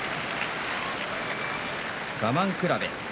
我慢比べ。